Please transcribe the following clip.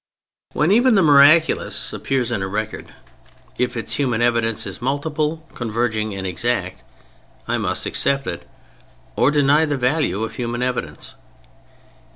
When even the miraculous appears in a record—if its human evidence is multiple, converging and exact—I must accept it or deny the value of human evidence.